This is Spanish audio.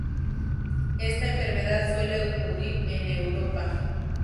Esta enfermedad suele ocurrir en Europa.